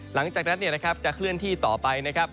หลังจากนั้นเนี่ยนะครับจะเคลื่อนที่ต่อไปนะครับ